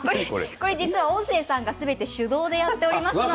これ実は音声さんがすべて手動でやっています。